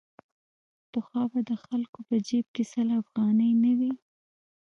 پخوا به د خلکو په جېب کې سل افغانۍ نه وې.